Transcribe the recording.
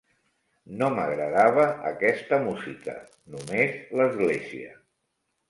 No m'agradava aquesta música, només l'església.